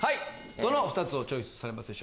どの２つをチョイスされます？